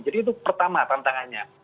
jadi itu pertama tantangannya